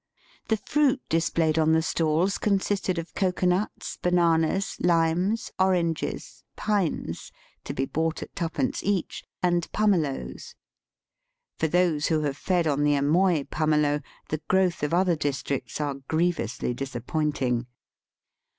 The fruit displayed on the stalls con sisted of cocoa nuts, bananas, limes, oranges, pines (to be bought at twopence each), and pumelos. For those who have fed on the Amoy pumelo the growth of other districts are grievously disappointing.